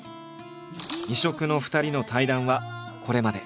異色の２人の対談はこれまで。